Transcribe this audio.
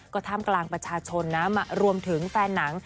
ก็ท่ามกลางประชาชนนะมารวมถึงแฟนหนัง